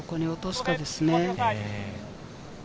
どこに落とすかですね。